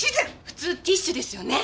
普通ティッシュですよね。